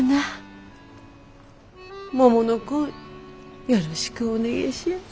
もものこんよろしくお願えしやす。